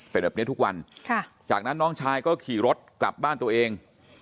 เป็นแบบนี้ทุกวันจากนั้นน้องชายก็ขี่รถกลับบ้านตัวเอง